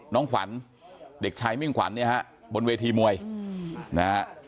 น้องขวัญเด็กชายมิ่งขวัญเนี่ยฮะบนเวทีมวยนะฮะ